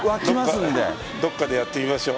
どっかでやってみましょう。